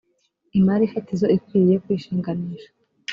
imari fatizo ikwiriye kwishinganisha.